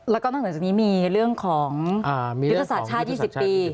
แล้วก็นอกเหนือจากนี้มีเรื่องของยุทธศาสตร์ชาติ๒๐ปี